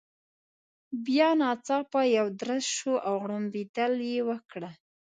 بیا ناڅاپه یو درز شو، او غړمبېدل يې وکړل.